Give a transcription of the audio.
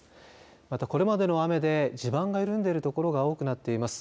またこれまでの雨で地盤が緩んでいる所が多くなっています。